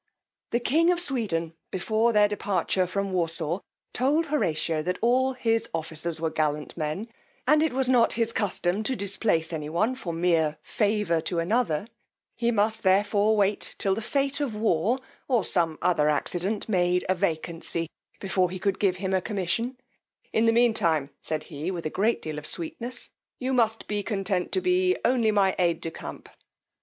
The king of Sweden, before their departure from Warsaw, told Horatio that all his officers were gallant men, and it was not his custom to displace any one for meer favour to another; he must therefore wait till the fate of war, or some other accident, made a vacancy, before he could give him a commission, in the mean time, said he, with a great deal of sweetness, you must be content to be only my aid de camp.